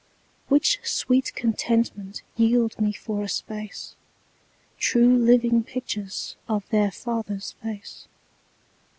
Which sweet contentment yield me for a space, True living pictures of their father's face.